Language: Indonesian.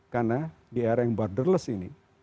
karena di era yang borderless ini